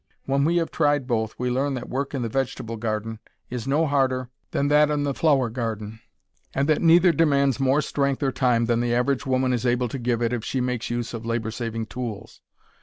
When we have tried both we learn that work in the vegetable garden is no harder than that in the flower garden, and that neither demands more strength or time than the average woman is able to give it if she makes use of labor saving tools.